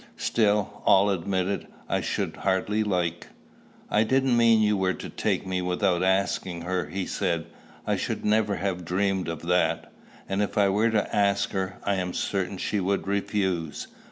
"Still, all admitted, I should hardly like" "I didn't mean you were to take me without asking her," he said: "I should never have dreamed of that." "And if I were to ask her, I am certain she would refuse.